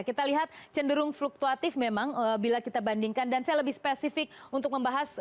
kita lihat cenderung fluktuatif memang bila kita bandingkan dan saya lebih spesifik untuk membahas